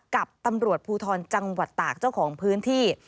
กับตำรวจภูทรจังหวัดตากเจ้าของพื้นที่